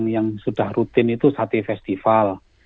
yang sudah rutin itu satu festival